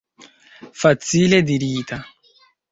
Facile dirita!